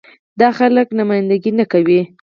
دا خلک نماينده ګي نه کوي.